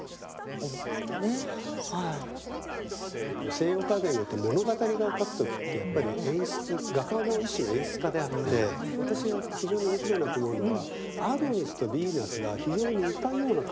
西洋絵画において物語画を描く時ってやっぱり演出画家も一種の演出家であって私が非常に面白いなと思うのはアドニスとヴィーナスが非常に似たような格好で横たわってるんですよね。